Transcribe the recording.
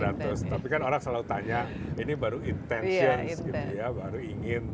ada dua ratus tapi kan orang selalu tanya ini baru intentions gitu ya baru ingin